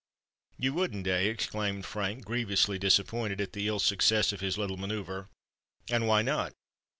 "You wouldn't—eh?" exclaimed Frank, grievously disappointed at the ill success of his little manœuvre. "And why not?"